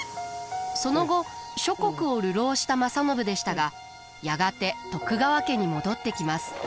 その後諸国を流浪した正信でしたがやがて徳川家に戻ってきます。